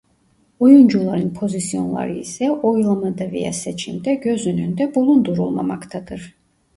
Oyuncuların pozisyonları ise oylamada veya seçimde göz önünde bulundurulmamaktadır.